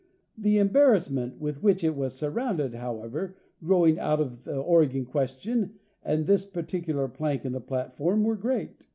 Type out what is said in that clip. The em barrassments with which it was surrounded, however, growing out of the Oregon question and this particular plank in the platform, were great.